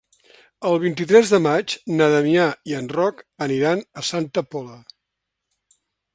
El vint-i-tres de maig na Damià i en Roc aniran a Santa Pola.